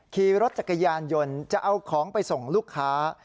ขี่รถจักรยานยนต์จะเอาของไปส่งลูกค้า